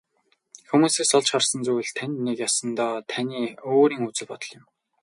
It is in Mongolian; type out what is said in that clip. Хүмүүсээс олж харсан зүйл тань нэг ёсондоо таны өөрийн үзэл бодол юм.